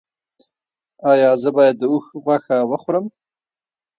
ایا زه باید د اوښ غوښه وخورم؟